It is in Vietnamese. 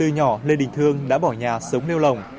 nhỏ lê đình thương đã bỏ nhà sống nêu lòng